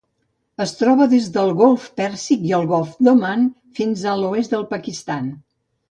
Es troba des del Golf Pèrsic i el Golf d'Oman fins a l'oest del Pakistan.